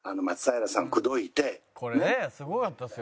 これねすごかったですよね。